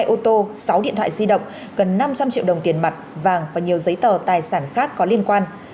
hai ô tô sáu điện thoại di động gần năm trăm linh triệu đồng tiền mặt vàng và nhiều giấy tờ tài sản khác có liên quan